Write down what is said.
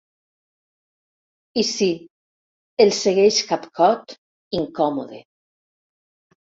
I si, els segueix capcot, incòmode.